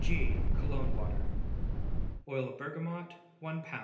G. COLOGNE WATER. Oil of bergamot 1 lb.